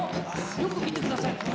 よく見て下さい。